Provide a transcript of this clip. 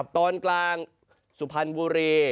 ตอนกลางสุพรรณบุรี